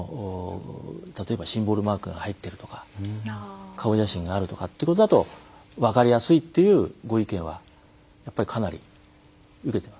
例えばシンボルマークが入ってるとか顔写真があるとかってことだと分かりやすいっていうご意見はやっぱりかなり受けてます